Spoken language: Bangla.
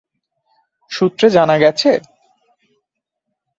সূত্রে জানা গেছে?